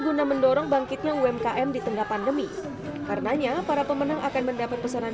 guna mendorong bangkitnya umkm di tengah pandemi karenanya para pemenang akan mendapat pesanan